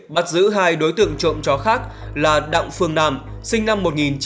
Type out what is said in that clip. bắt giữ hai đối tượng trộm chó khác là đặng phương nam sinh năm một nghìn chín trăm tám mươi